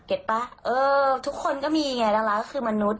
ป่ะเออทุกคนก็มีไงดาราก็คือมนุษย